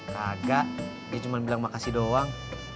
kagak dia cuma bilang makasih doang